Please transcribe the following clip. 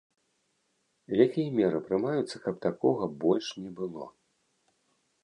Якія меры прымаюцца, каб такога больш не было?